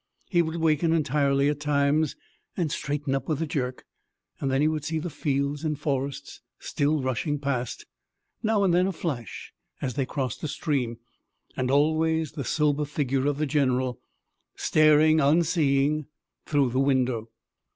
He would waken entirely at times and straighten up with a jerk. Then he would see the fields and forests still rushing past, now and then a flash as they crossed a stream, and always the sober figure of the general, staring, unseeing, through the window.